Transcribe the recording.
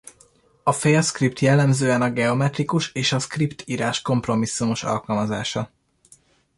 A fél-szkript jellemzően a geometrikus és a szkript írás kompromisszumos alkalmazása.